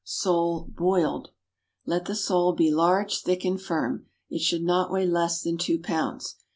=Sole, Boiled.= Let the sole be large, thick, and firm; it should not weigh less than two pounds.